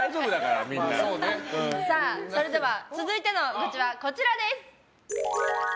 それでは続いての愚痴はこちらです。